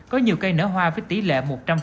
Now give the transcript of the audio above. có nhiều cây nở hoa với tỷ lệ một trăm linh